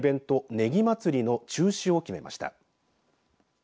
ねぎまつりの中止を決めました。